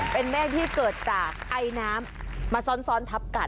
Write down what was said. เป็นเมฆที่เกิดจากไอน้ำมาซ้อนทับกัน